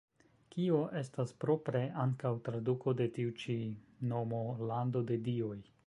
Kio estas propre ankaŭ traduko de tiu ĉi nomo: "Lando de dioj".